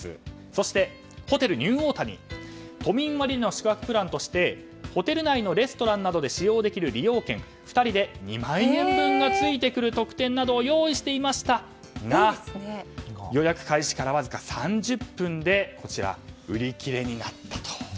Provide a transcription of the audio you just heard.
そして、ホテルニューオータニ都民割の宿泊プランとしてホテル内のレストランなどで使用できる利用券２人で２万円分が付いてくる特典などを用意していましたが予約開始からわずか３０分で売り切れになったと。